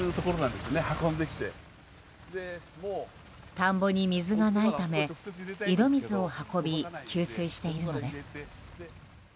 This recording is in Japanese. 田んぼに水がないため井戸水を運び給水しているのです。